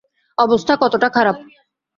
অবস্থা কতটা খারাপ।